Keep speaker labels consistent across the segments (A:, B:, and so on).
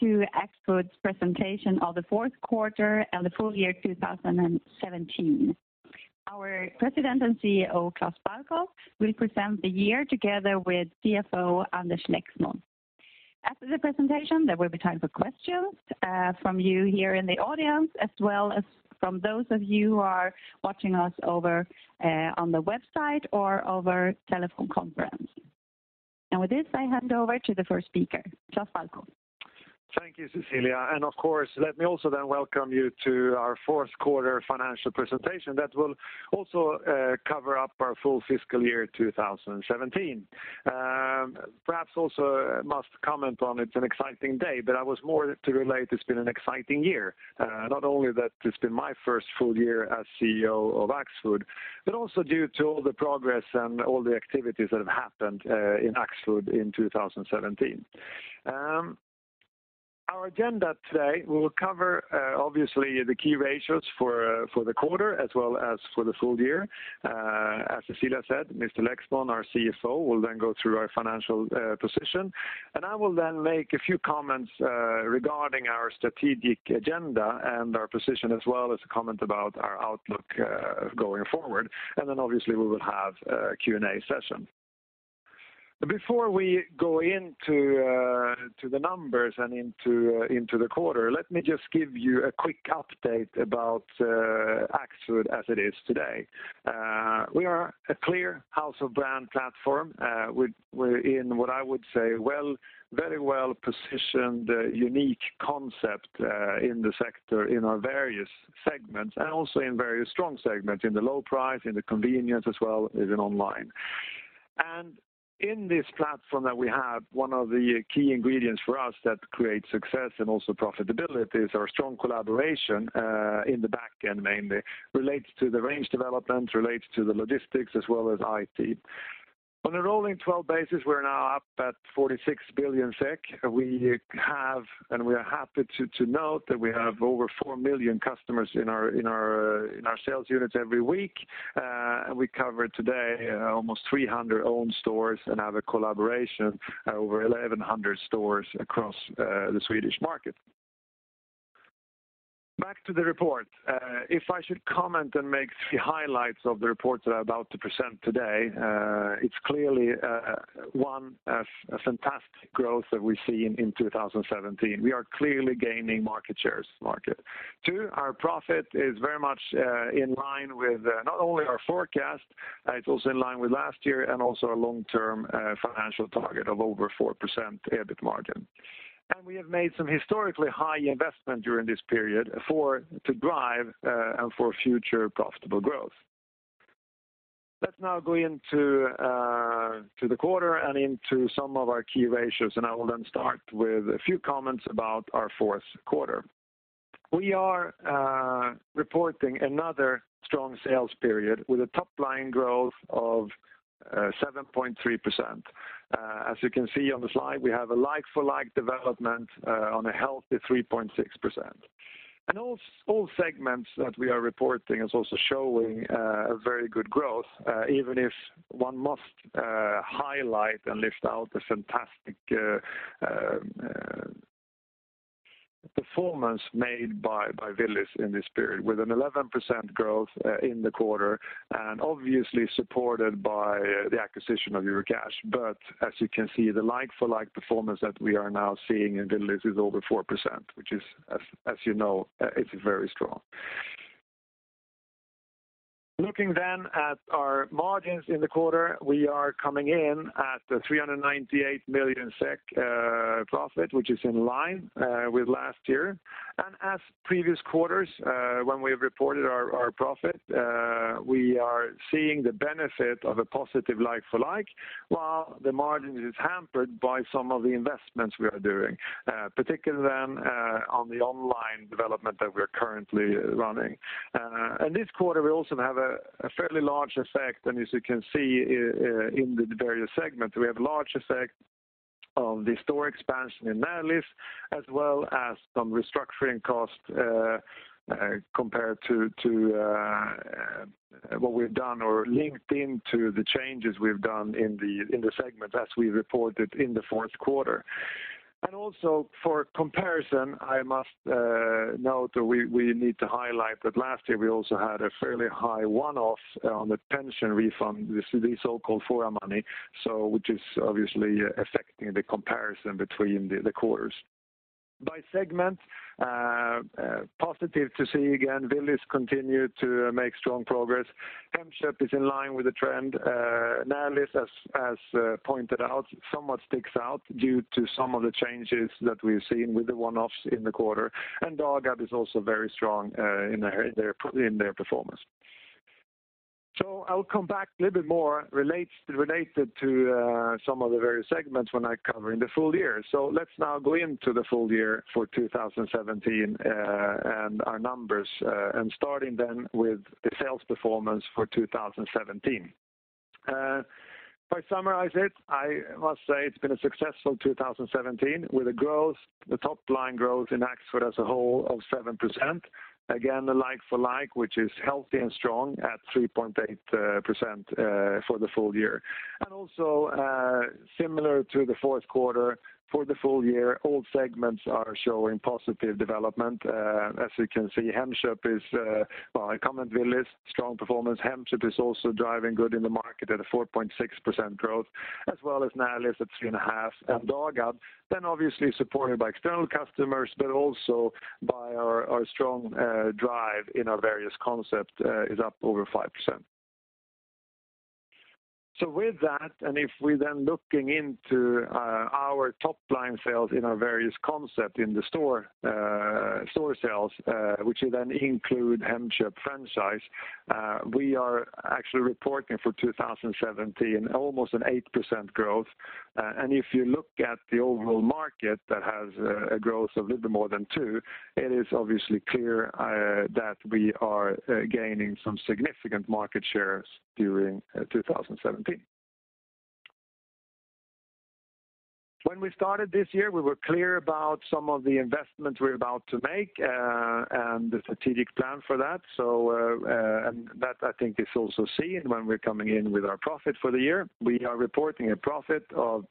A: To Axfood's presentation of the fourth quarter and the full year 2017. Our President and CEO, Klas Balkow, will present the year together with CFO, Anders Lexmon. After the presentation, there will be time for questions from you here in the audience, as well as from those of you who are watching us over on the website or over telephone conference. With this, I hand over to the first speaker, Klas Balkow.
B: Thank you, Cecilia. Of course, let me also then welcome you to our fourth quarter financial presentation that will also cover up our full fiscal year 2017. Perhaps also must comment on it's an exciting day, but I was more to relate it's been an exciting year. Not only that it's been my first full year as CEO of Axfood, but also due to all the progress and all the activities that have happened in Axfood in 2017. Our agenda today will cover, obviously, the key ratios for the quarter as well as for the full year. As Cecilia said, Mr. Lexmon, our CFO, will then go through our financial position. I will then make a few comments regarding our strategic agenda and our position, as well as a comment about our outlook going forward. Then obviously we will have a Q&A session. Before we go into the numbers and into the quarter, let me just give you a quick update about Axfood as it is today. We are a clear house of brands platform. We're in what I would say very well-positioned, unique concept in the sector, in our various segments, and also in very strong segments, in the low price, in the convenience as well as in online. In this platform that we have, one of the key ingredients for us that creates success and also profitability is our strong collaboration in the back end mainly, relates to the range development, relates to the logistics as well as IT. On a rolling 12 basis, we're now up at 46 billion SEK. We have, and we are happy to note that we have over four million customers in our sales units every week. We cover today almost 300 own stores and have a collaboration over 1,100 stores across the Swedish market. Back to the report. If I should comment and make three highlights of the report that I'm about to present today, it's clearly one, a fantastic growth that we see in 2017. We are clearly gaining market shares. Two, our profit is very much in line with not only our forecast, it's also in line with last year and also our long-term financial target of over 4% EBIT margin. We have made some historically high investment during this period to drive and for future profitable growth. Let's now go into the quarter and into some of our key ratios, and I will then start with a few comments about our fourth quarter. We are reporting another strong sales period with a top-line growth of 7.3%. You can see on the slide, we have a like-for-like development on a healthy 3.6%. All segments that we are reporting is also showing a very good growth, even if one must highlight and list out the fantastic performance made by Willys in this period with an 11% growth in the quarter, obviously supported by the acquisition of Eurocash. As you can see, the like-for-like performance that we are now seeing in Willys is over 4%, which is, as you know, it's very strong. Looking at our margins in the quarter, we are coming in at 398 million SEK profit, which is in line with last year. As previous quarters when we reported our profit, we are seeing the benefit of a positive like-for-like, while the margin is hampered by some of the investments we are doing, particularly on the online development that we're currently running. This quarter, we also have a fairly large effect, as you can see in the various segments, we have large effect of the store expansion in Närlivs, as well as some restructuring costs compared to what we've done or linked into the changes we've done in the segment as we reported in the fourth quarter. Also for comparison, I must note we need to highlight that last year we also had a fairly high one-off on the pension refund, the so-called Fora money, which is obviously affecting the comparison between the quarters. By segment, positive to see again, Willys continued to make strong progress. Hemköp is in line with the trend. Närlivs, as pointed out, somewhat sticks out due to some of the changes that we've seen with the one-offs in the quarter. Dagab is also very strong in their performance. I will come back a little bit more related to some of the various segments when I cover in the full year. Let's now go into the full year for 2017 and our numbers, starting with the sales performance for 2017. If I summarize it, I must say it's been a successful 2017 with the top-line growth in Axfood as a whole of 7%. Again, the like-for-like, which is healthy and strong at 3.8% for the full year. Also similar to the fourth quarter, for the full year, all segments are showing positive development. As you can see, Hemköp. I comment Willys, strong performance. Hemköp is also driving good in the market at a 4.6% growth, as well as Närlivs at 3.5% and Dagab. Obviously supported by External Customers, but also by our strong drive in our various concept is up over 5%. With that, if we're looking into our top-line sales in our various concept in the store sales, which include Hemköp franchise, we are actually reporting for 2017 almost an 8% growth. If you look at the overall market that has a growth of little more than two, it is obviously clear that we are gaining some significant market shares during 2017. When we started this year, we were clear about some of the investments we're about to make and the strategic plan for that. That I think is also seen when we're coming in with our profit for the year. We are reporting a profit of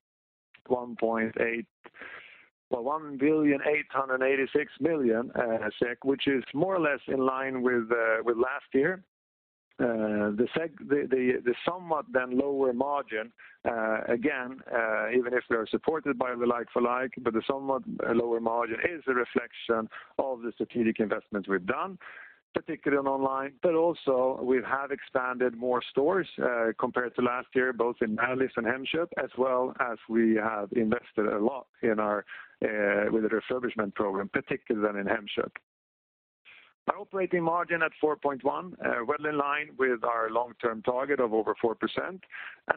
B: 1,886 million SEK, which is more or less in line with last year. The somewhat lower margin, again, even if we are supported by the like-for-like, but the somewhat lower margin is a reflection of the strategic investments we've done, particularly on online. Also, we have expanded more stores, compared to last year, both in Närlivs and Hemköp, as well as we have invested a lot with the refurbishment program, particularly in Hemköp. Our operating margin at 4.1%, well in line with our long-term target of over 4%.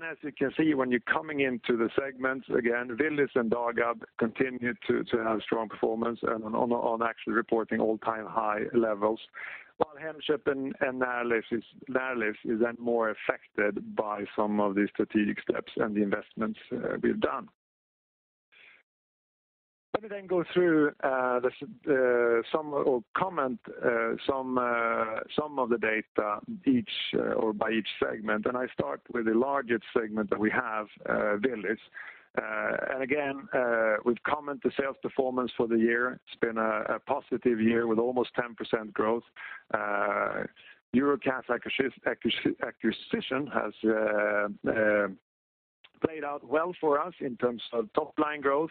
B: As you can see, when you're coming into the segments, again, Willys and Dagab continue to have strong performance and on actually reporting all-time high levels, while Hemköp and Närlivs is more affected by some of the strategic steps and the investments we've done. Let me go through or comment some of the data by each segment. I start with the largest segment that we have, Willys. Again, we've comment the sales performance for the year. It's been a positive year with almost 10% growth. Eurocash acquisition has played out well for us in terms of top-line growth.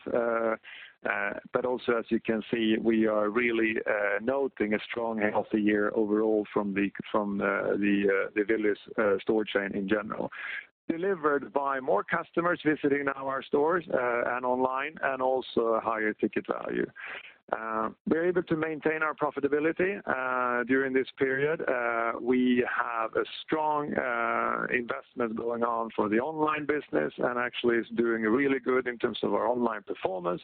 B: Also, as you can see, we are really noting a strong healthy year overall from the Willys store chain in general, delivered by more customers visiting now our stores and online and also a higher ticket value. We're able to maintain our profitability during this period. We have a strong investment going on for the online business, and actually it's doing really good in terms of our online performance.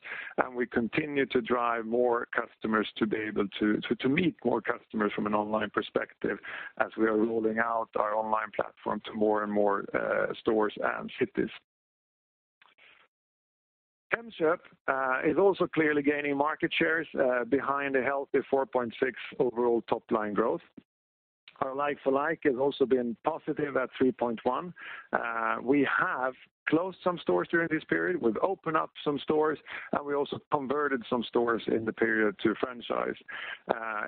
B: We continue to drive more customers to be able to meet more customers from an online perspective as we are rolling out our online platform to more and more stores and cities. Hemköp is also clearly gaining market shares behind a healthy 4.6% overall top-line growth. Our like-for-like has also been positive at 3.1%. We have closed some stores during this period. We've opened up some stores, and we also converted some stores in the period to franchise.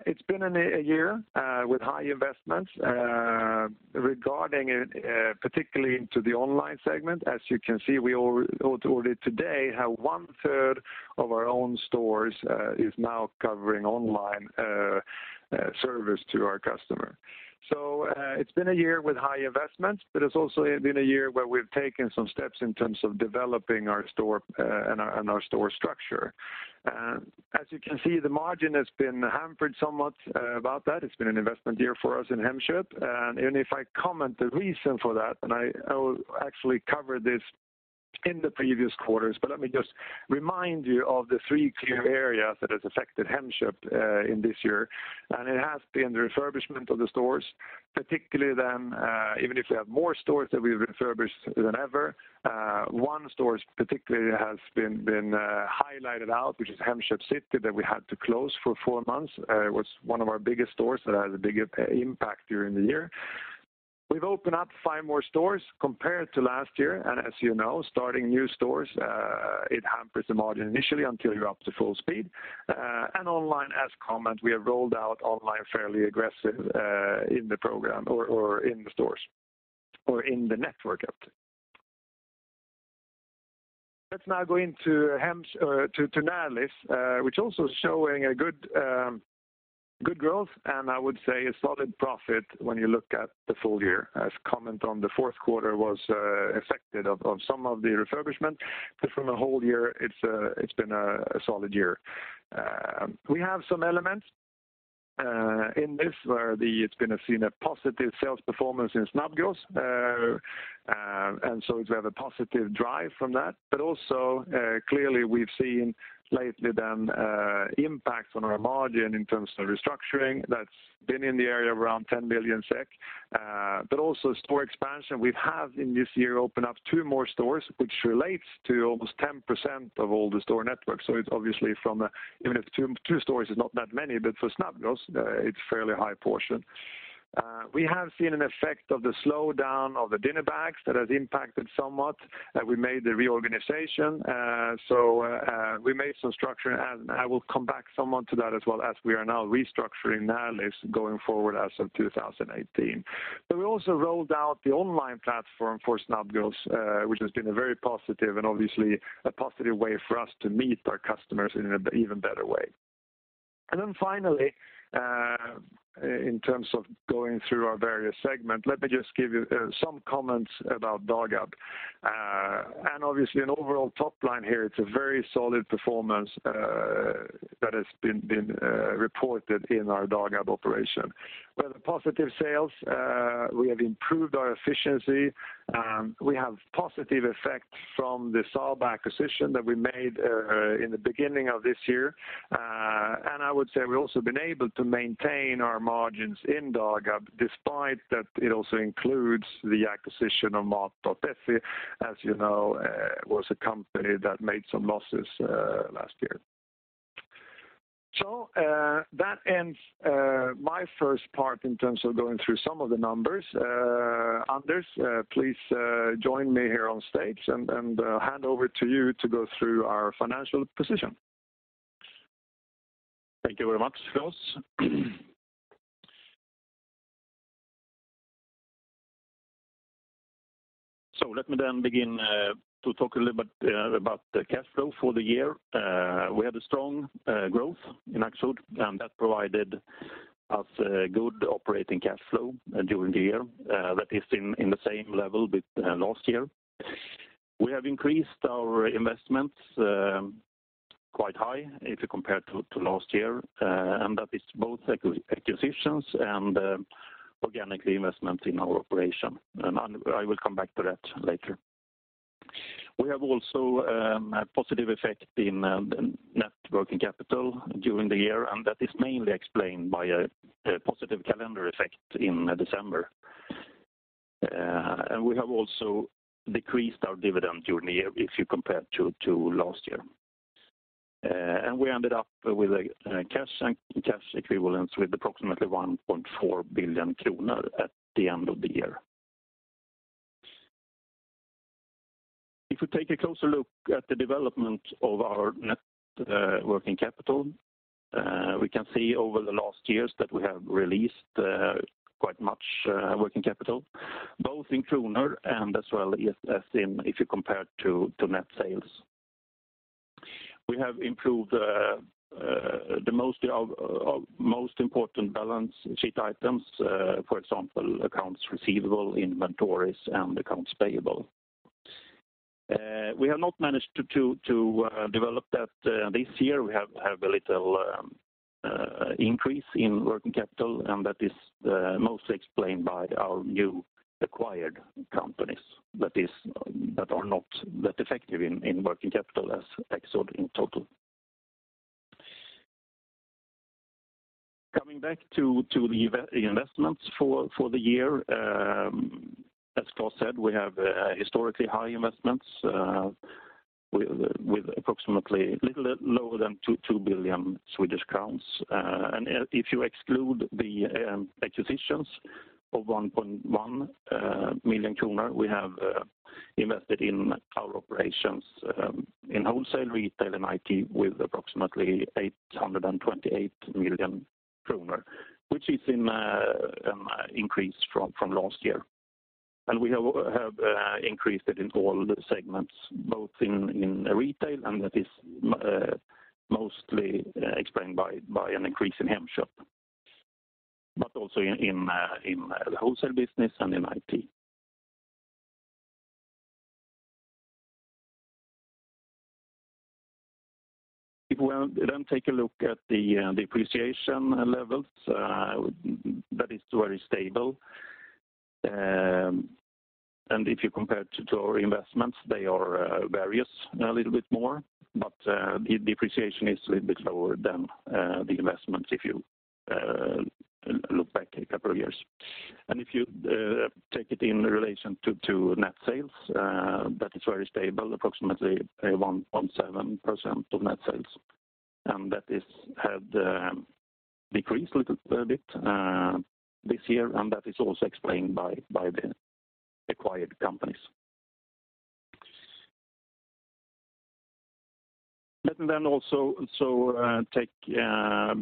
B: It's been a year with high investments, regarding particularly into the online segment. As you can see, we already today have one-third of our own stores is now covering online service to our customer. It's been a year with high investments, it's also been a year where we've taken some steps in terms of developing our store and our store structure. As you can see, the margin has been hampered somewhat by that. It's been an investment year for us in Hemköp. If I comment the reason for that, I will actually cover this in the previous quarters, let me just remind you of the three clear areas that has affected Hemköp in this year, it has been the refurbishment of the stores, particularly, even if we have more stores that we refurbish than ever. One store particularly has been highlighted out, which is Hemköp City that we had to close for four months. It was one of our biggest stores that had a big impact during the year. We've opened up five more stores compared to last year. As you know, starting new stores, it hampers the margin initially until you're up to full speed. Online, as comment, we have rolled out online fairly aggressive in the program or in the stores or in the network. Let's now go into Axfood Närlivs, which also showing a good growth and I would say a solid profit when you look at the full year. As comment on the Q4 was affected of some of the refurbishment, but from a whole year, it's been a solid year. We have some elements in this where it's been seen a positive sales performance in Snabbgross, and we have a positive drive from that. But also clearly we've seen lately the impact on our margin in terms of restructuring that's been in the area around 10 million SEK, but also store expansion. We have in this year opened up two more stores, which relates to almost 10% of all the store networks. Even if two stores is not that many, but for Snabbgross, it's a fairly high portion. We have seen an effect of the slowdown of the dinner bags that has impacted somewhat, and we made the reorganization. We made some structuring, and I will come back somewhat to that as well as we are now restructuring Axfood Närlivs going forward as of 2018. We also rolled out the online platform for Snabbgross, which has been a very positive, and obviously a positive way for us to meet our customers in an even better way. Finally, in terms of going through our various segment, let me just give you some comments about Dagab. Obviously an overall top line here, it's a very solid performance that has been reported in our Dagab operation. We have positive sales. We have improved our efficiency. We have positive effects from the Saba acquisition that we made in the beginning of this year. I would say we've also been able to maintain our margins in Dagab despite that it also includes the acquisition of Mat.se, as you know, was a company that made some losses last year. So, that ends my first part in terms of going through some of the numbers. Anders, please join me here on stage and hand over to you to go through our financial position.
C: Thank you very much, Klas. Let me then begin to talk a little bit about the cash flow for the year. We had a strong growth in Axfood, and that provided us a good operating cash flow during the year that is in the same level with last year. We have increased our investments quite high if you compare to last year, and that is both acquisitions and organic investment in our operation. I will come back to that later. We have also a positive effect in net working capital during the year, and that is mainly explained by a positive calendar effect in December. We have also decreased our dividend during the year if you compare to last year. We ended up with a cash and cash equivalents with approximately 1.4 billion kronor at the end of the year. If we take a closer look at the development of our net working capital, we can see over the last years that we have released quite much working capital, both in Swedish krona and as well if you compare to net sales. We have improved the most important balance sheet items, for example, accounts receivable, inventories, and accounts payable. We have not managed to develop that this year. We have a little increase in working capital, and that is mostly explained by our new acquired companies that are not that effective in working capital as Axfood in total. Coming back to the investments for the year, as Klas said, we have historically high investments with approximately little lower than 2 billion Swedish crowns. If you exclude the acquisitions of 1.1 billion kronor, we have invested in our operations in wholesale, retail, and IT with approximately 828 million kronor, which is an increase from last year. We have increased it in all segments, both in retail, and that is mostly explained by an increase in Hemköp, but also in the wholesale business and in IT. If we take a look at the depreciation levels, that is very stable. If you compare to our investments, they varies a little bit more, but the depreciation is a little bit lower than the investment if you look back a couple of years. If you take it in relation to net sales, that is very stable, approximately 1.7% of net sales. That had decreased a little bit this year, and that is also explained by the acquired companies. Let me also take a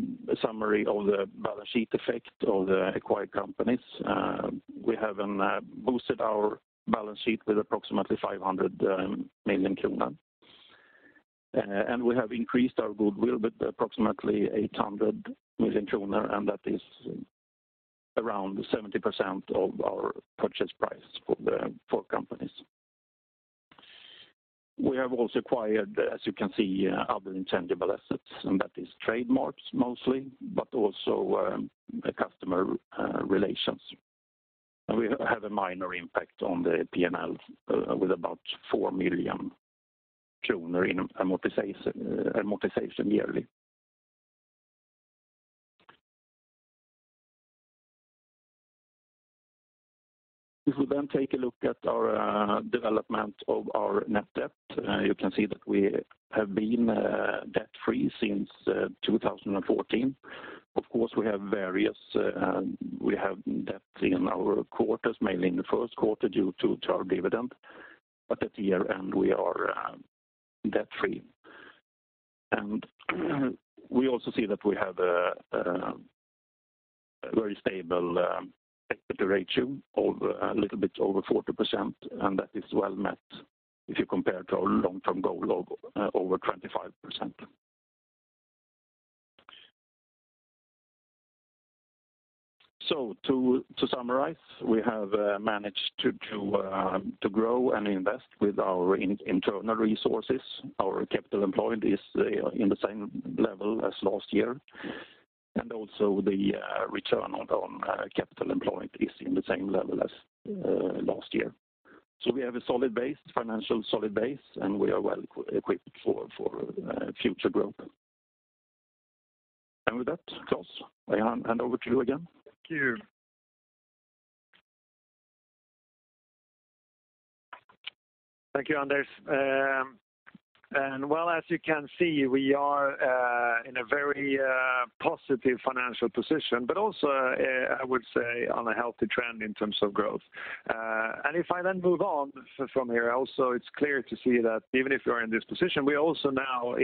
C: summary of the balance sheet effect of the acquired companies. We have boosted our balance sheet with approximately 500 million kronor. We have increased our goodwill with approximately 800 million kronor, and that is around 70% of our purchase price for the four companies. We have also acquired, as you can see, other intangible assets, and that is trademarks mostly, but also customer relations. We have a minor impact on the P&L with about 4 million kronor in amortization yearly. If we take a look at our development of our net debt, you can see that we have been debt-free since 2014. Of course, we have debt in our quarters, mainly in the first quarter due to our dividend. At year-end, we are debt-free. We also see that we have a very stable equity ratio of a little bit over 40%, and that is well met if you compare it to our long-term goal of over 25%. To summarize, we have managed to grow and invest with our internal resources. Our capital employed is in the same level as last year, and also the return on capital employed is in the same level as last year. We have a financial solid base, and we are well-equipped for future growth. With that, Klas, I hand over to you again.
B: Thank you. Thank you, Anders. Well, as you can see, we are in a very positive financial position, but also, I would say, on a healthy trend in terms of growth. If I then move on from here, also it's clear to see that even if we are in this position, we're also now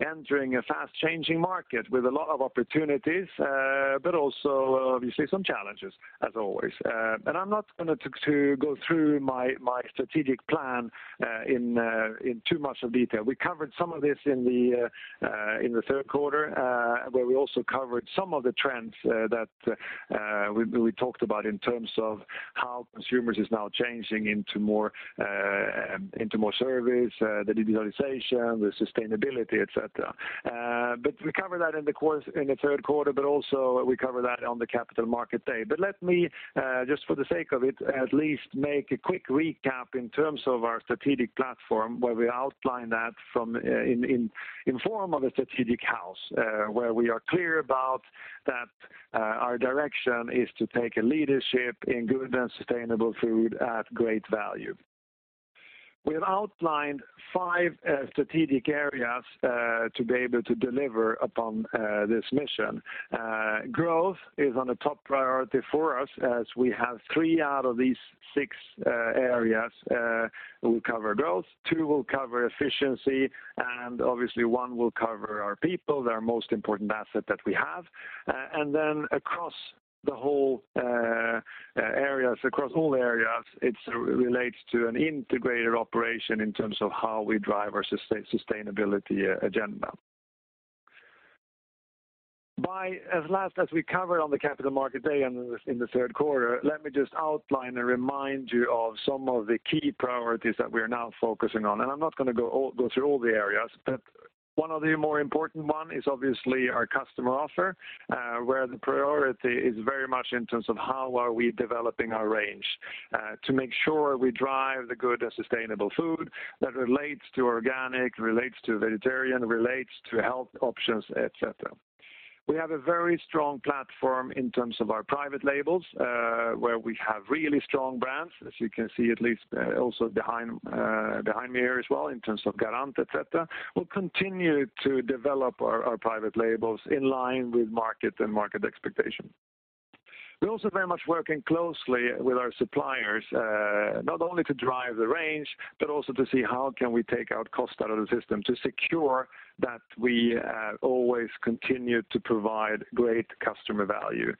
B: entering a fast-changing market with a lot of opportunities, but also obviously some challenges as always. I'm not going to go through my strategic plan in too much detail. We covered some of this in the third quarter, where we also covered some of the trends that we talked about in terms of how consumers are now changing into more service, the digitalization, the sustainability, et cetera. We covered that in the third quarter, but also we covered that on the Capital Markets Day. Let me, just for the sake of it, at least make a quick recap in terms of our strategic platform, where we outline that in form of a strategic house, where we are clear about that our direction is to take leadership in good and sustainable food at great value. We have outlined five strategic areas to be able to deliver upon this mission. Growth is a top priority for us as we have three out of these six areas will cover growth, two will cover efficiency, and obviously one will cover our people, they're our most important asset that we have. Across all areas, it relates to an integrated operation in terms of how we drive our sustainability agenda. Last, as we covered on the Capital Markets Day and in the third quarter, let me just outline and remind you of some of the key priorities that we are now focusing on. I'm not going to go through all the areas, but one of the more important ones is obviously our customer offer, where the priority is very much in terms of how are we developing our range to make sure we drive the good and sustainable food that relates to organic, relates to vegetarian, relates to health options, et cetera. We have a very strong platform in terms of our private labels, where we have really strong brands, as you can see at least also behind me here as well in terms of Garant, et cetera. We'll continue to develop our private labels in line with market and market expectations. We're also very much working closely with our suppliers, not only to drive the range, but also to see how can we take out cost out of the system to secure that we always continue to provide great customer value.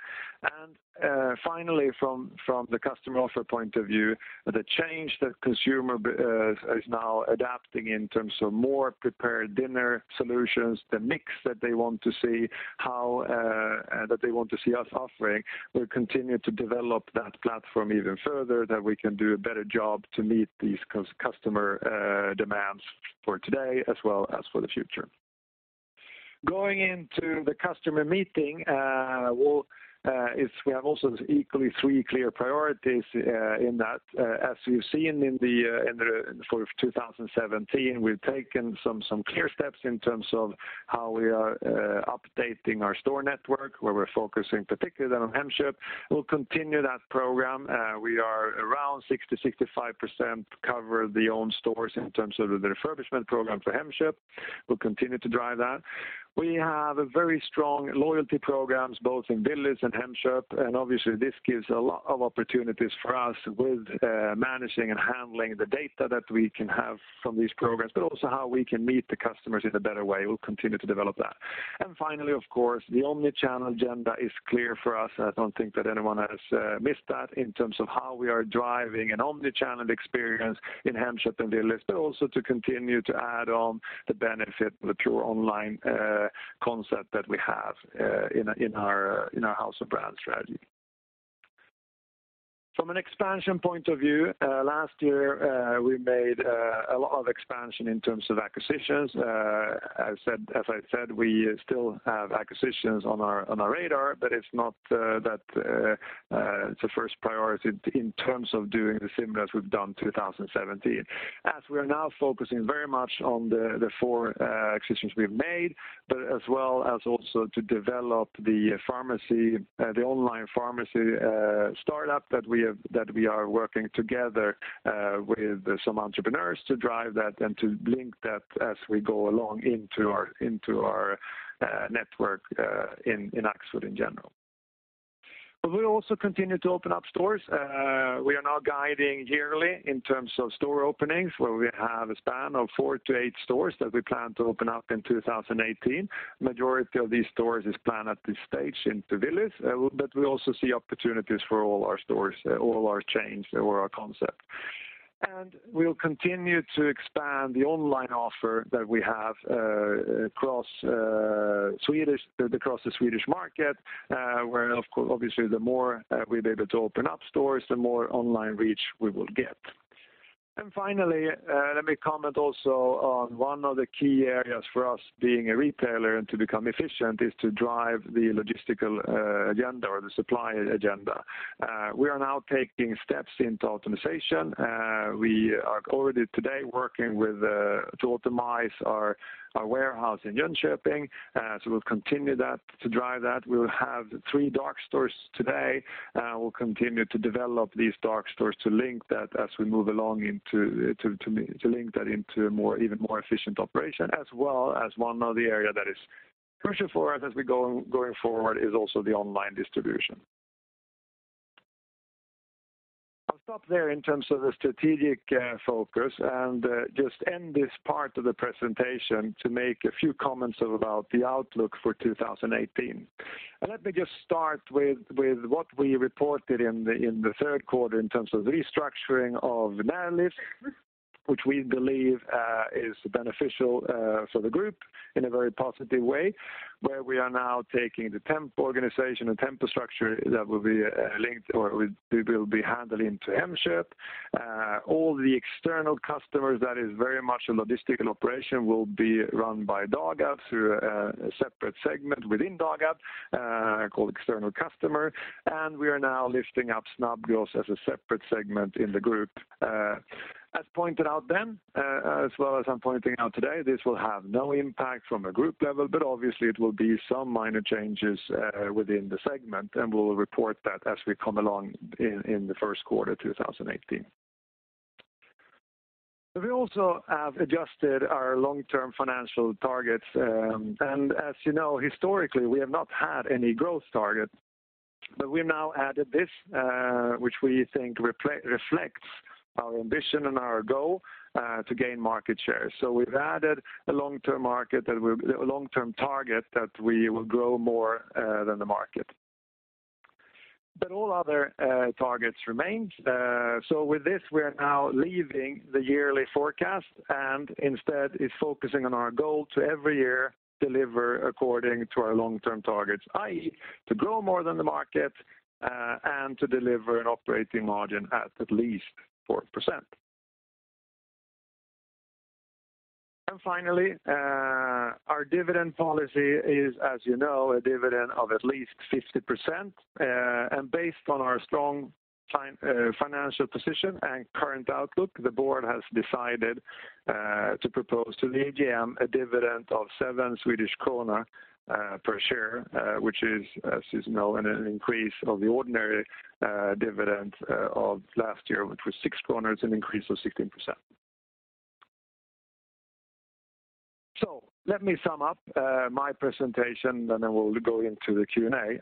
B: Finally, from the customer offer point of view, the change that consumer is now adapting in terms of more prepared dinner solutions, the mix that they want to see us offering, we'll continue to develop that platform even further that we can do a better job to meet these customer demands for today as well as for the future. Going into the customer meeting, we have also equally three clear priorities in that. As you've seen for 2017, we've taken some clear steps in terms of how we are updating our store network, where we're focusing particularly on Hemköp. We'll continue that program. We are around 60%-65% covered the own stores in terms of the refurbishment program for Hemköp. We will continue to drive that. We have a very strong loyalty programs both in Willys and Hemköp, obviously this gives a lot of opportunities for us with managing and handling the data that we can have from these programs, but also how we can meet the customers in a better way. We will continue to develop that. Finally, of course, the omni-channel agenda is clear for us, I don't think that anyone has missed that in terms of how we are driving an omni-channel experience in Hemköp and Willys, but also to continue to add on the benefit of the pure online concept that we have in our house of brands strategy. From an expansion point of view, last year we made a lot of expansion in terms of acquisitions. As I said, we still have acquisitions on our radar, it's not the first priority in terms of doing the same that we have done 2017. As we are now focusing very much on the 4 acquisitions we have made, as well as also to develop the online pharmacy startup that we are working together with some entrepreneurs to drive that and to link that as we go along into our network in Axfood in general. We also continue to open up stores. We are now guiding yearly in terms of store openings, where we have a span of 4 to 8 stores that we plan to open up in 2018. Majority of these stores is planned at this stage in Willys, but we also see opportunities for all our stores, all our chains, or our concept. We will continue to expand the online offer that we have across the Swedish market, where obviously the more we are able to open up stores, the more online reach we will get. Finally, let me comment also on one of the key areas for us being a retailer and to become efficient is to drive the logistical agenda or the supply agenda. We are now taking steps into optimization. We are already today working to optimize our warehouse in Jönköping. We will continue to drive that. We will have 3 dark stores today, and we will continue to develop these dark stores to link that as we move along into an even more efficient operation, as well as one of the areas that is crucial for us as we going forward is also the online distribution. I will stop there in terms of the strategic focus and just end this part of the presentation to make a few comments about the outlook for 2018. Let me just start with what we reported in the third quarter in terms of restructuring of Närlivs, which we believe is beneficial for the group in a very positive way, where we are now taking the Tempo organization and Tempo structure that will be linked or it will be handled into Hemköp. All the external customers that is very much a logistical operation will be run by Dagab through a separate segment within Dagab, called External Customer. We are now lifting up Snabbgross as a separate segment in the group. As pointed out then, as well as I'm pointing out today, this will have no impact from a group level, but obviously it will be some minor changes within the segment, and we will report that as we come along in the first quarter 2018. We also have adjusted our long-term financial targets, as you know, historically, we have not had any growth target, but we now added this which we think reflects our ambition and our goal to gain market share. We've added a long-term target that we will grow more than the market. All other targets remained. With this, we are now leaving the yearly forecast and instead is focusing on our goal to every year deliver according to our long-term targets, i.e., to grow more than the market and to deliver an operating margin at least 4%. Finally our dividend policy is, as you know, a dividend of at least 50%. Based on our strong financial position and current outlook, the board has decided to propose to the AGM a dividend of 7 Swedish kronor per share which is, as you know, an increase of the ordinary dividend of last year, which was 6 kronor, it's an increase of 16%. Let me sum up my presentation, then I will go into the Q&A.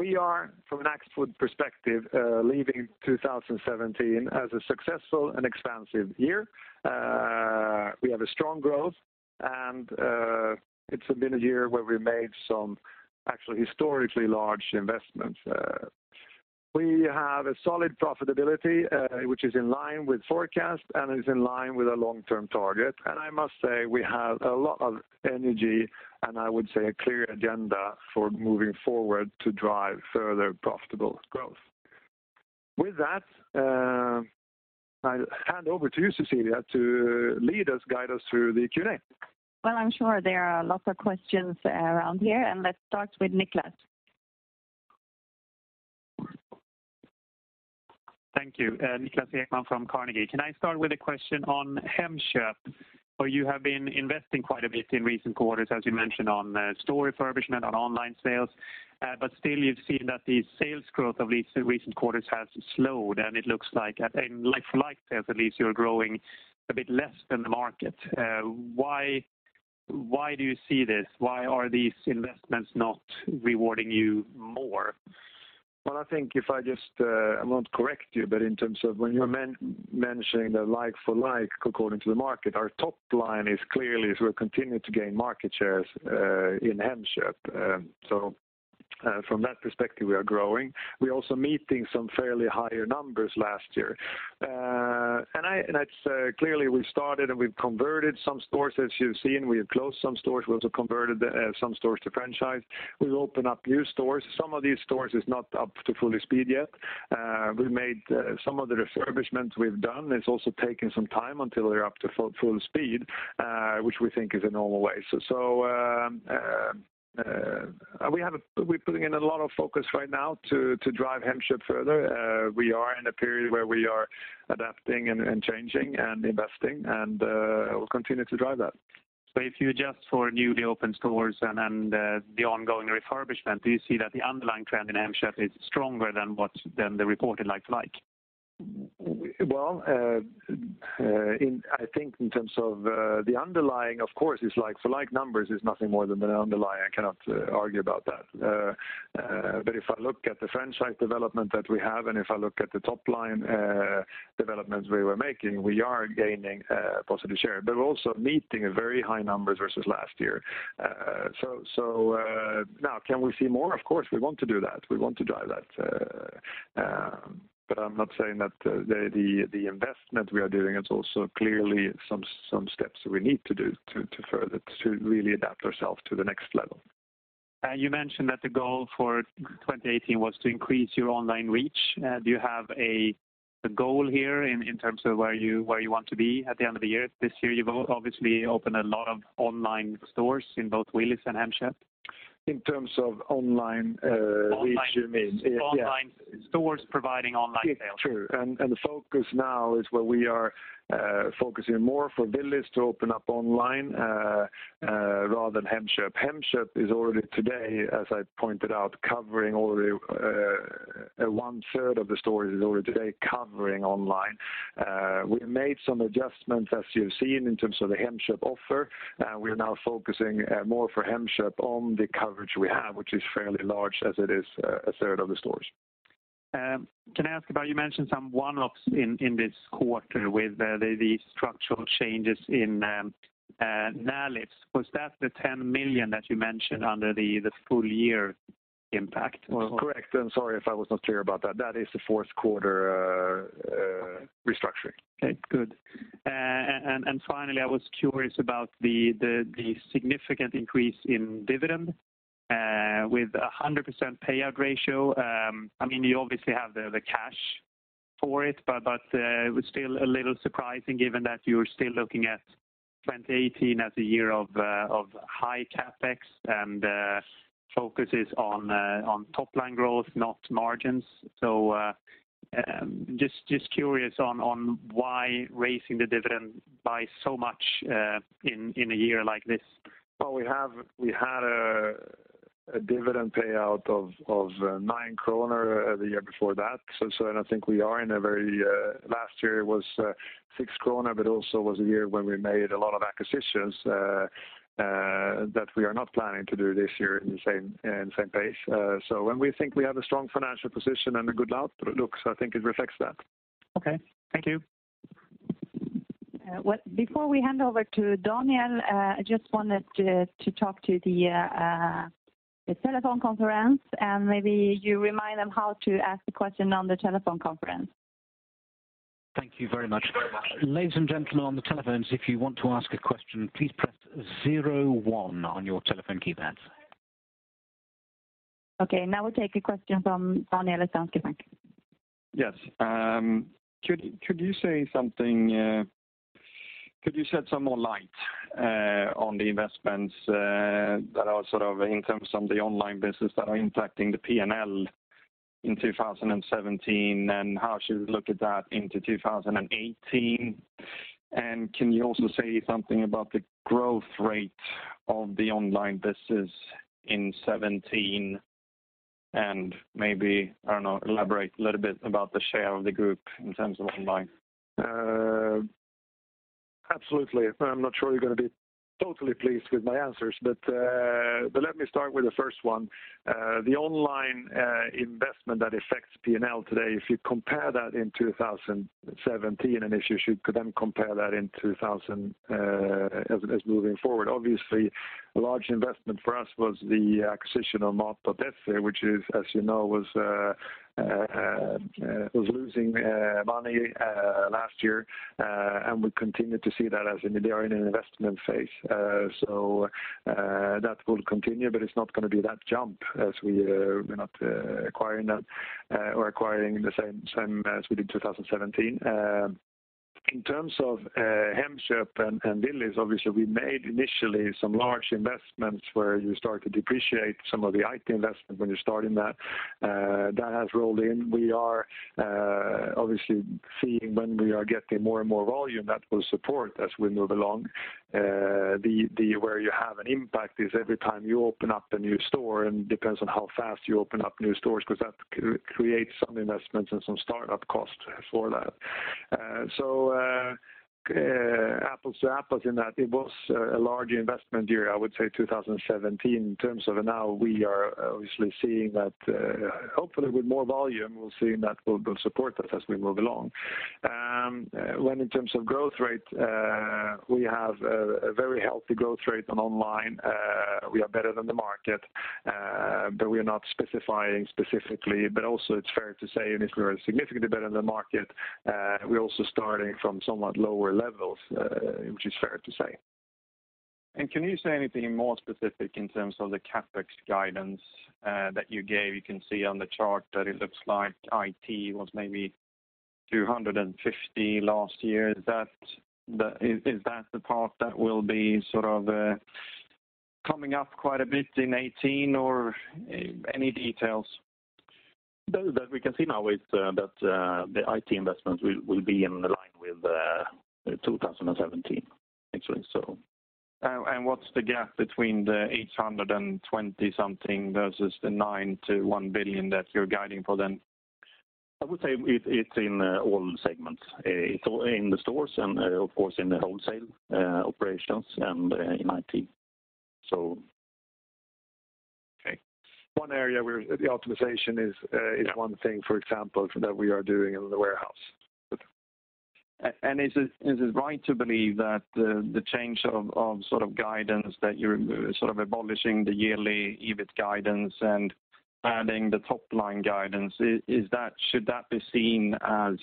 B: We are, from an Axfood perspective, leaving 2017 as a successful and expansive year. We have a strong growth and it's been a year where we made some actually historically large investments. We have a solid profitability which is in line with forecast and is in line with our long-term target. I must say we have a lot of energy and I would say a clear agenda for moving forward to drive further profitable growth. With that, I'll hand over to you, Cecilia, to lead us, guide us through the Q&A.
A: Well, I'm sure there are lots of questions around here, let's start with Niklas.
D: Thank you. Niklas Ekman from Carnegie. Can I start with a question on Hemköp? You have been investing quite a bit in recent quarters, as you mentioned, on store refurbishment, on online sales. Still you've seen that the sales growth of recent quarters has slowed, and it looks like in like-for-like sales at least, you're growing a bit less than the market. Why do you see this? Why are these investments not rewarding you more?
B: Well, I think if I won't correct you, but in terms of when you're mentioning the like-for-like according to the market, our top line is clearly we're continuing to gain market shares in Hemköp. From that perspective, we are growing. We are also meeting some fairly higher numbers last year. Clearly we started and we've converted some stores, as you've seen, we have closed some stores. We also converted some stores to franchise. We've opened up new stores. Some of these stores is not up to full speed yet. Some of the refurbishment we've done, it's also taken some time until they're up to full speed, which we think is a normal way. We're putting in a lot of focus right now to drive Hemköp further. We are in a period where we are adapting and changing and investing and we'll continue to drive that.
D: If you adjust for newly opened stores and the ongoing refurbishment, do you see that the underlying trend in Hemköp is stronger than the reported like-for-like?
B: Well, I think in terms of the underlying, of course, it's like-for-like numbers, it's nothing more than an underlying. I cannot argue about that. If I look at the franchise development that we have, and if I look at the top line developments we were making, we are gaining positive share, but we're also meeting very high numbers versus last year. Now can we see more? Of course, we want to do that. We want to drive that. I'm not saying that the investment we are doing, it's also clearly some steps we need to do to really adapt ourselves to the next level.
D: You mentioned that the goal for 2018 was to increase your online reach. Do you have a goal here in terms of where you want to be at the end of the year? This year you've obviously opened a lot of online stores in both Willys and Hemköp.
B: In terms of online reach, you mean?
D: Online stores providing online sales.
B: True. The focus now is where we are focusing more for Willys to open up online, rather than Hemköp. Hemköp is already today, as I pointed out, covering already one third of the stores is already today covering online. We made some adjustments, as you have seen, in terms of the Hemköp offer. We are now focusing more for Hemköp on the coverage we have, which is fairly large as it is a third of the stores.
D: Can I ask about, you mentioned some one-offs in this quarter with the structural changes in Närlivs. Was that the 10 million that you mentioned under the full year impact?
B: Correct, sorry if I was not clear about that. That is the fourth quarter restructuring.
D: Okay, good. Finally, I was curious about the significant increase in dividend with 100% payout ratio. You obviously have the cash for it, but it was still a little surprising given that you're still looking at 2018 as a year of high CapEx and focus is on top line growth, not margins. Just curious on why raising the dividend by so much in a year like this?
B: Well, we had a dividend payout of SEK 9 the year before that. Last year it was 6 krona, also was a year when we made a lot of acquisitions that we are not planning to do this year in the same pace. When we think we have a strong financial position and a good outlook, I think it reflects that.
D: Okay. Thank you.
A: Before we hand over to Daniel, I just wanted to talk to the telephone conference and maybe you remind them how to ask a question on the telephone conference.
E: Thank you very much. Ladies and gentlemen on the telephones, if you want to ask a question, please press 01 on your telephone keypads.
A: Okay, now we'll take a question from Daniel Schmidt.
F: Yes. Could you shed some more light on the investments that are in terms of the online business that are impacting the P&L in 2017, and how should we look at that into 2018? Can you also say something about the growth rate of the online business in 2017 and maybe, I don't know, elaborate a little bit about the share of the group in terms of online?
B: Absolutely. I'm not sure you're going to be totally pleased with my answers. Let me start with the first one. The online investment that affects P&L today, if you compare that in 2017, and if you should then compare that as moving forward. Obviously, a large investment for us was the acquisition of Mat.se, which as you know, was losing money last year. We continue to see that as they are in an investment phase. That will continue, but it's not going to be that jump as we're not acquiring the same as we did in 2017. In terms of Hemköp and Willys, obviously, we made initially some large investments where you start to depreciate some of the IT investment when you're starting that. That has rolled in. We are obviously seeing when we are getting more and more volume, that will support us as we move along. Where you have an impact is every time you open up a new store and depends on how fast you open up new stores, because that creates some investments and some startup costs for that. Apples to apples in that it was a large investment year, I would say 2017 in terms of now we are obviously seeing that hopefully with more volume, we're seeing that will support us as we move along. When in terms of growth rate, we have a very healthy growth rate on online. We are better than the market, but we are not specifying specifically. Also it's fair to say, if we are significantly better than the market, we're also starting from somewhat lower levels, which is fair to say.
F: Can you say anything more specific in terms of the CapEx guidance that you gave? You can see on the chart that it looks like IT was maybe 250 last year. Is that the part that will be coming up quite a bit in 2018 or any details?
B: That we can see now is that the IT investments will be in line with 2017, actually.
F: What's the gap between the 820 something versus the nine to 1 billion that you're guiding for then?
B: I would say it's in all segments. In the stores and of course in the wholesale operations and in IT.
F: Okay.
B: One area where the optimization is one thing, for example, that we are doing in the warehouse.
F: Is it right to believe that the change of guidance that you are abolishing the yearly EBIT guidance and adding the top-line guidance, should that be seen as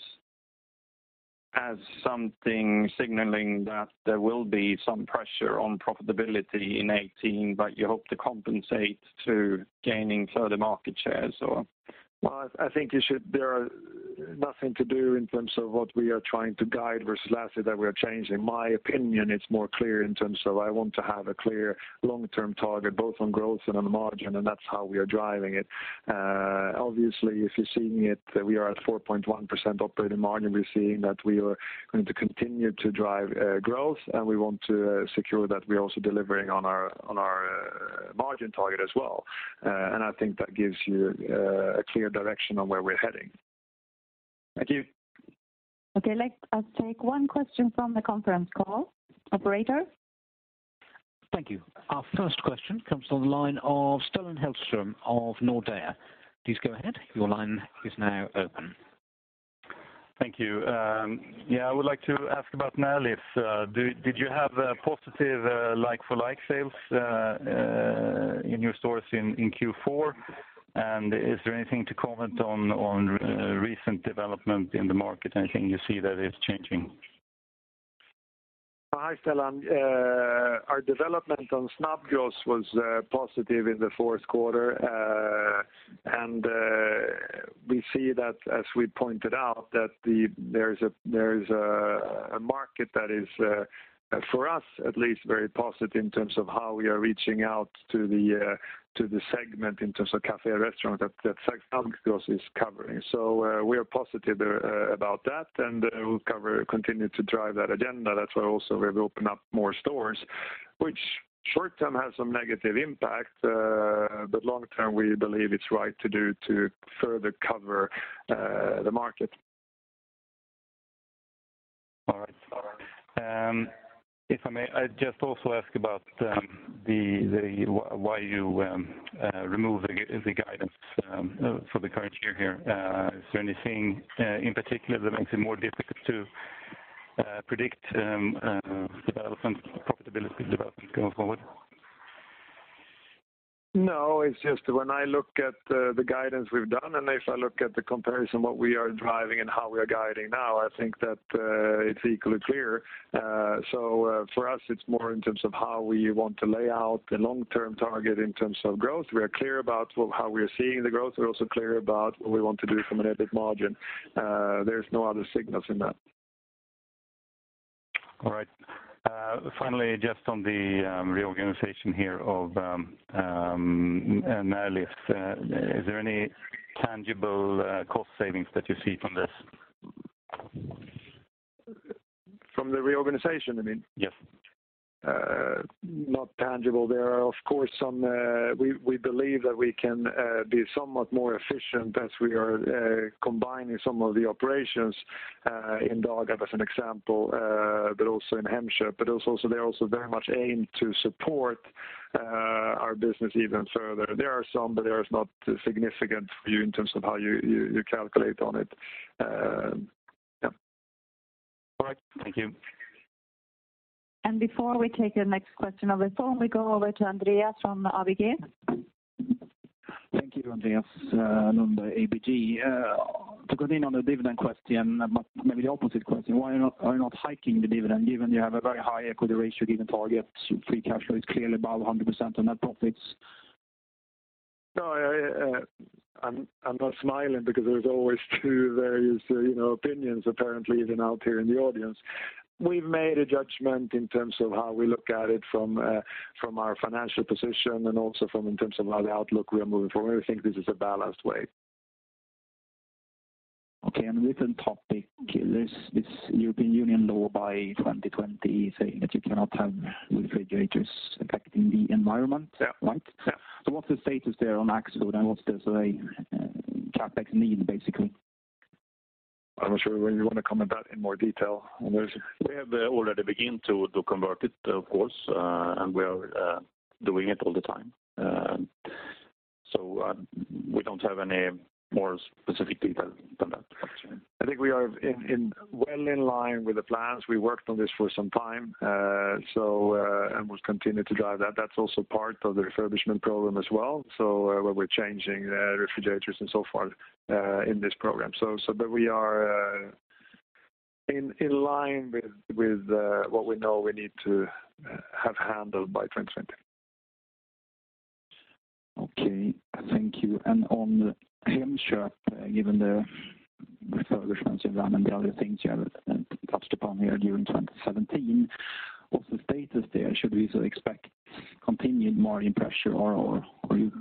F: something signaling that there will be some pressure on profitability in 2018 but you hope to compensate to gaining further market shares or?
B: Well, I think there is nothing to do in terms of what we are trying to guide versus lastly that we are changing. My opinion, it's more clear in terms of I want to have a clear long-term target, both on growth and on margin, and that's how we are driving it. Obviously, if you're seeing it, we are at 4.1% operating margin. We're seeing that we are going to continue to drive growth, and we want to secure that we are also delivering on our margin target as well. I think that gives you a clear direction on where we're heading.
F: Thank you.
A: Okay. Let us take one question from the conference call. Operator?
E: Thank you. Our first question comes from the line of Stellan Hellström of Nordea. Please go ahead. Your line is now open.
G: Thank you. Yeah, I would like to ask about Närlivs. Did you have positive like-for-like sales in your stores in Q4? Is there anything to comment on recent development in the market? Anything you see that is changing?
B: Hi, Stellan. Our development on Snabbgross was positive in the fourth quarter. We see that as we pointed out that there is a market that is, for us at least, very positive in terms of how we are reaching out to the segment in terms of cafe restaurant that Snabbgross is covering. We are positive about that, and we'll continue to drive that agenda. That's why also we've opened up more stores, which short term has some negative impact, but long term, we believe it's right to do to further cover the market.
G: All right. If I may, I'd just also ask about why you removed the guidance for the current year here. Is there anything in particular that makes it more difficult to predict profitability development going forward?
B: It's just when I look at the guidance we've done, if I look at the comparison, what we are driving and how we are guiding now, I think that it's equally clear. For us, it's more in terms of how we want to lay out the long-term target in terms of growth. We are clear about how we are seeing the growth. We're also clear about what we want to do from an EBIT margin. There's no other signals in that.
G: All right. Finally, just on the reorganization here of Närlivs, is there any tangible cost savings that you see from this?
B: From the reorganization, you mean?
G: Yes.
B: Not tangible. There are, of course, we believe that we can be somewhat more efficient as we are combining some of the operations in Dagab, as an example, also in Hemköp. They also very much aim to support our business even further. There are some, but there is not significant for you in terms of how you calculate on it. Yeah.
G: All right. Thank you.
A: Before we take the next question over the phone, we go over to Andreas from ABG.
H: Thank you. Andreas Lund, ABG. To continue on the dividend question, but maybe the opposite question, why are you not hiking the dividend given you have a very high equity ratio given targets, free cash flow is clearly above 100% on net profits?
B: No, I'm not smiling because there's always two various opinions apparently even out here in the audience. We've made a judgment in terms of how we look at it from our financial position and also from in terms of how the outlook we are moving forward. I think this is a balanced way.
H: Okay. Different topic. This European Union law by 2020 saying that you cannot have refrigerators affecting the environment, right?
B: Yeah.
H: What's the status there on Axfood and what's the CapEx need, basically?
B: I'm not sure whether you want to comment that in more detail, Anders. We have already begin to convert it, of course, and we are doing it all the time. We don't have any more specific detail than that. I think we are well in line with the plans. We worked on this for some time and will continue to drive that. That's also part of the refurbishment program as well. Where we're changing refrigerators and so forth in this program. We are in line with what we know we need to have handled by 2020.
H: Okay. Thank you. On the Hemköp, given the refurbishments you've done and the other things you have touched upon here during 2017, what's the status there? Should we expect continued margin pressure, or are you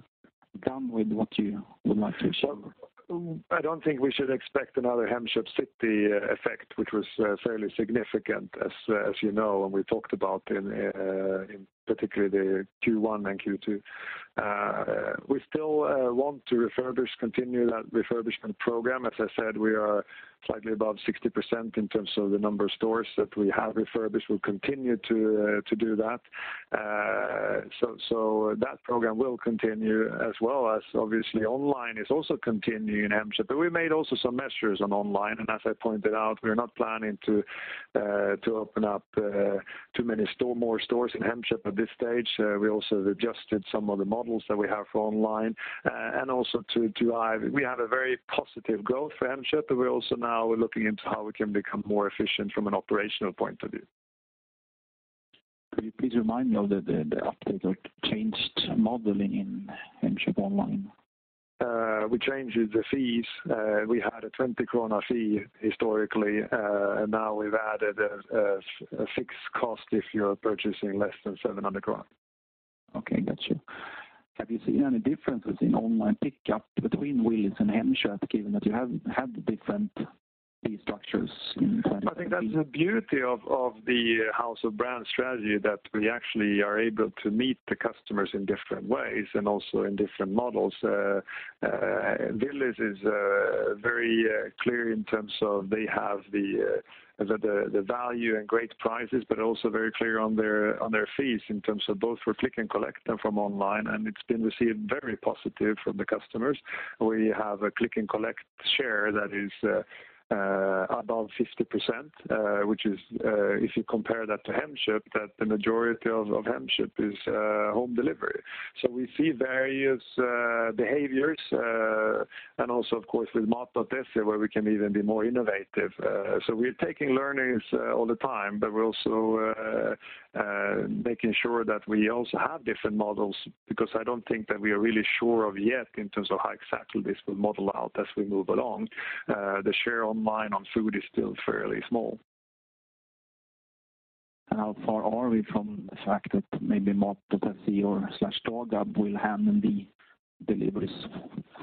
H: done with what you would like to achieve?
B: I don't think we should expect another Hemköp City effect, which was fairly significant as you know, and we talked about in particularly the Q1 and Q2. We still want to continue that refurbishment program. As I said, we are slightly above 60% in terms of the number of stores that we have refurbished. We'll continue to do that. That program will continue as well as obviously online is also continuing in Hemköp. We made also some measures on online, and as I pointed out, we are not planning to open up too many more stores in Hemköp at this stage. We also have adjusted some of the models that we have for online. We have a very positive growth for Hemköp, but we're also now looking into how we can become more efficient from an operational point of view.
H: Could you please remind me of the updated changed modeling in Hemköp online?
B: We changed the fees. We had a 20 krona fee historically, and now we've added a fixed cost if you're purchasing less than 700 SEK.
H: Okay, got you. Have you seen any differences in online pickup between Willys and Hemköp, given that you have had different fee structures in place?
B: I think that's the beauty of the house of brands strategy, that we actually are able to meet the customers in different ways and also in different models. Willys is very clear in terms of they have the value and great prices, but also very clear on their fees in terms of both for click and collect and from online, and it's been received very positive from the customers. We have a click and collect share that is above 50%, which is if you compare that to Hemköp, that the majority of Hemköp is home delivery. We see various behaviors, and also of course with Mat.se, where we can even be more innovative. We're taking learnings all the time, but we're also making sure that we also have different models because I don't think that we are really sure of yet in terms of how exactly this will model out as we move along. The share online on food is still fairly small.
H: How far are we from the fact that maybe Mat.se/Dagab will handle the deliveries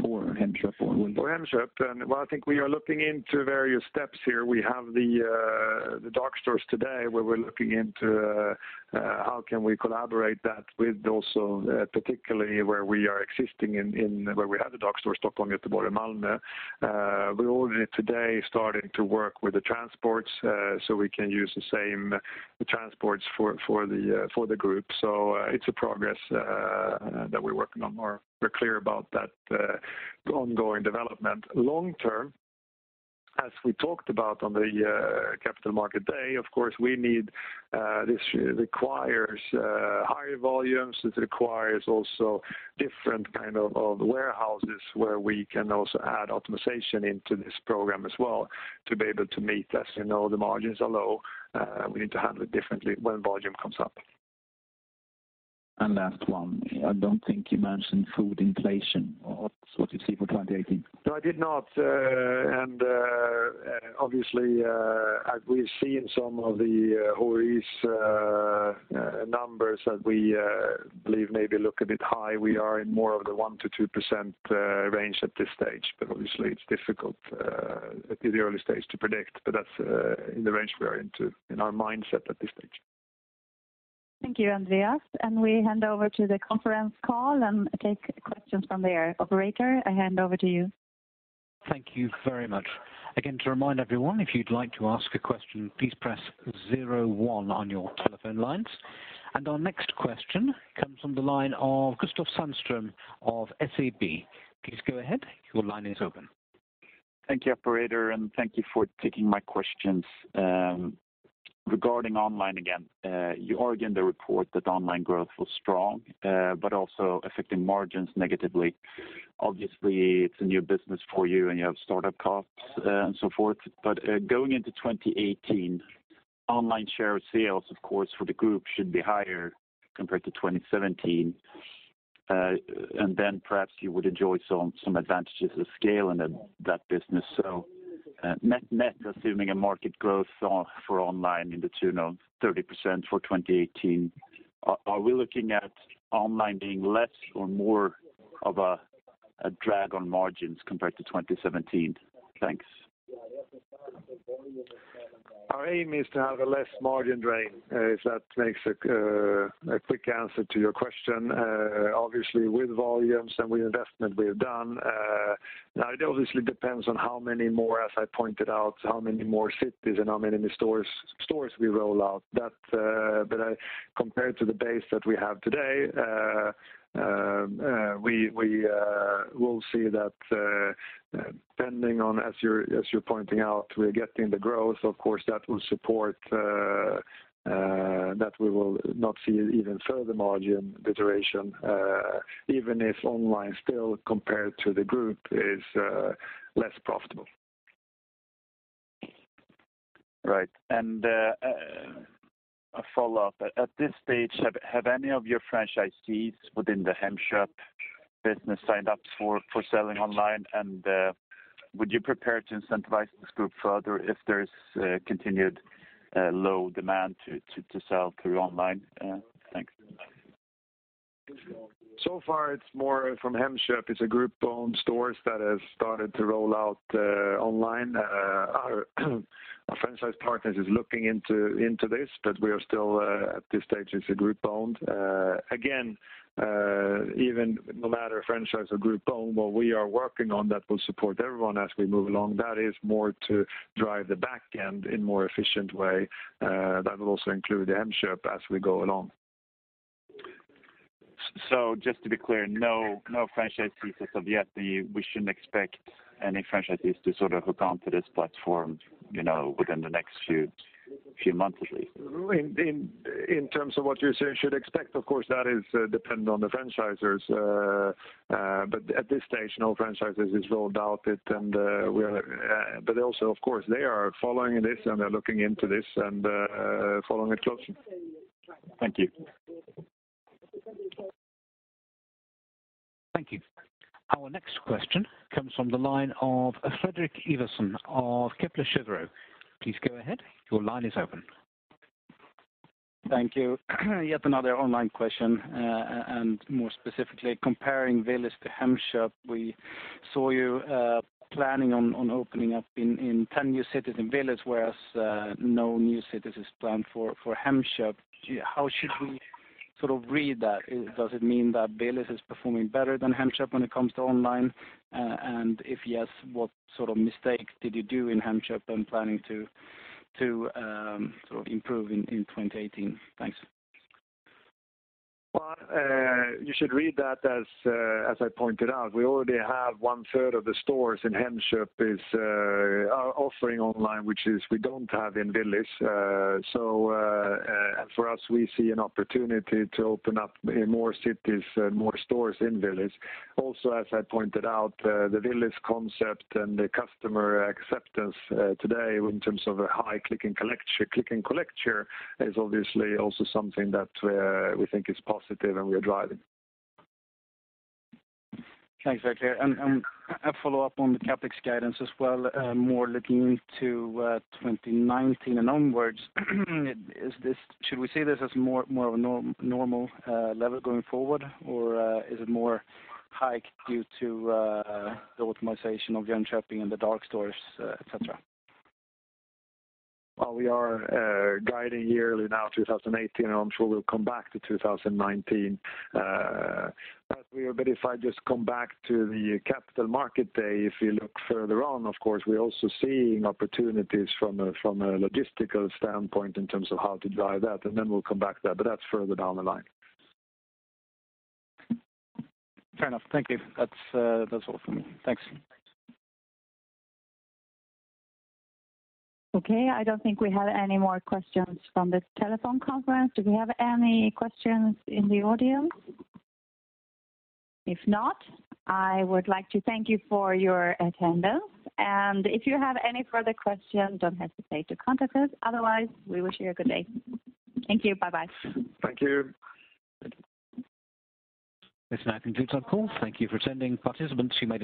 H: for Hemköp or Willys?
B: For Hemköp, I think we are looking into various steps here. We have the dark stores today where we're looking into how can we collaborate that with also particularly where we have the dark store Stockholm, Gothenburg, Malmö. We're already today starting to work with the transports, so we can use the same transports for the group. It's a progress that we're working on more. We're clear about that ongoing development. Long term, as we talked about on the Capital Markets Day, of course, this requires higher volumes. This requires also different kind of warehouses where we can also add optimization into this program as well to be able to meet. As you know, the margins are low. We need to handle it differently when volume comes up.
H: Last one. I don't think you mentioned food inflation. What you see for 2018?
B: No, I did not. Obviously, as we've seen some of the HoReCa numbers that we believe may be look a bit high. We are in more of the 1%-2% range at this stage. Obviously, it's difficult at the early stage to predict, but that's in the range we are into in our mindset at this stage.
A: Thank you, Andreas. We hand over to the conference call and take questions from there. Operator, I hand over to you.
E: Thank you very much. Again, to remind everyone, if you'd like to ask a question, please press 01 on your telephone lines. Our next question comes from the line of Kristoff Sandstrom of SEB. Please go ahead. Your line is open.
I: Thank you, operator, and thank you for taking my questions. Regarding online again, you are in the report that online growth was strong but also affecting margins negatively. Obviously, it's a new business for you and you have startup costs and so forth. Going into 2018, online share of sales, of course, for the group should be higher compared to 2017. Then perhaps you would enjoy some advantages of scale in that business. Net, assuming a market growth for online in the tune of 30% for 2018, are we looking at online being less or more of a drag on margins compared to 2017? Thanks.
B: Our aim is to have a less margin drain, if that makes a quick answer to your question. Obviously, with volumes and with investment we have done. Now it obviously depends on how many more, as I pointed out, how many more cities and how many stores we roll out. Compared to the base that we have today, we will see that depending on, as you're pointing out, we're getting the growth, of course, that will support, that we will not see even further margin deterioration, even if online still compared to the group is less profitable.
I: Right. A follow-up. At this stage, have any of your franchisees within the Hemköp business signed up for selling online? Would you prepare to incentivize this group further if there's continued low demand to sell through online? Thanks.
B: Far it's more from Hemköp. It's group-owned stores that have started to roll out online. Our franchise partners are looking into this, but we are still at this stage it's group-owned. Again, even no matter franchise or group-owned, what we are working on that will support everyone as we move along. That is more to drive the back end in a more efficient way. That will also include Hemköp as we go along.
I: just to be clear, no franchisees as of yet. We shouldn't expect any franchisees to hook onto this platform within the next few months at least?
B: In terms of what you should expect, of course, that is dependent on the franchisers. At this stage, no franchisers have rolled out it and we are also, of course, they are following this and are looking into this and following it closely.
I: Thank you.
E: Thank you. Our next question comes from the line of Fredrik Ivarsson of Kepler Cheuvreux. Please go ahead. Your line is open.
J: Thank you. Yet another online question, more specifically, comparing Willys to Hemköp. We saw you planning on opening up in 10 new cities in Willys, whereas no new cities is planned for Hemköp. How should we read that? Does it mean that Willys is performing better than Hemköp when it comes to online? If yes, what sort of mistakes did you do in Hemköp and planning to improve in 2018? Thanks.
B: Well, you should read that as I pointed out, we already have one-third of the stores in Hemköp are offering online, which we don't have in Willys. For us, we see an opportunity to open up in more cities, more stores in Willys. Also, as I pointed out, the Willys concept and the customer acceptance today in terms of a high click and collect is obviously also something that we think is positive and we are driving.
J: Thanks. Very clear. A follow-up on the CapEx guidance as well, more looking to 2019 and onwards. Should we see this as more of a normal level going forward or is it more high due to the optimization of Jönköping and the dark stores, et cetera?
B: Well, we are guiding yearly now, 2018. I'm sure we'll come back to 2019. If I just come back to the Capital Markets Day, if you look further on, of course, we're also seeing opportunities from a logistical standpoint in terms of how to drive that. Then we'll come back to that. That's further down the line.
J: Fair enough. Thank you. That's all from me. Thanks.
A: Okay. I don't think we have any more questions from this telephone conference. Do we have any questions in the audience? If not, I would like to thank you for your attendance. If you have any further questions, don't hesitate to contact us. Otherwise, we wish you a good day. Thank you. Bye bye.
B: Thank you.
E: This now concludes our call. Thank you for attending. Participants you may disconnect.